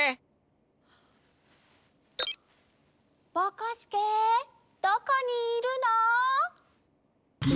ぼこすけどこにいるの？